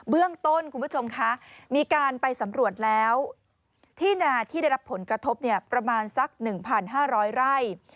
เรื่องต้นคุณผู้ชมคะมีการไปสำรวจแล้วที่นาที่ได้รับผลกระทบประมาณสัก๑๕๐๐ไร่